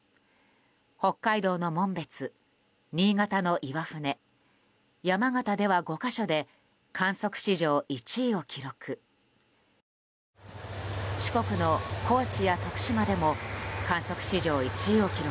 北海道の紋別、新潟の岩船山形では５か所で観測史上１位を記録。